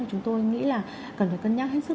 chúng tôi nghĩ là cần phải cân nhắc hết sức